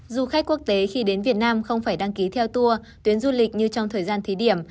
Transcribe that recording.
du khách quốc tế khi đến việt nam không phải đăng ký theo tour tuyến du lịch như trong thời gian thí điểm